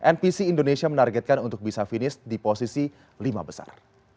npc indonesia menargetkan untuk bisa finish di posisi lima besar